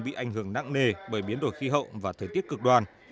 bị ảnh hưởng nặng nề bởi biến đổi khí hậu và thời tiết cực đoan